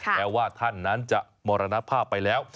แม้ว่าท่านนั้นจะมรณภาพไปแล้ว